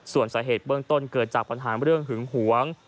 ส่วนสาเหตุเบื้องต้นเกิดจากปัญหาเรื่องหึงหวง